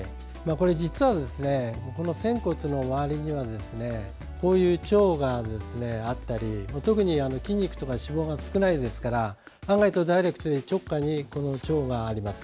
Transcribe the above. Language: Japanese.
実は仙骨の周りには腸があったり筋肉とか脂肪が少ないですからダイレクトに腸があります。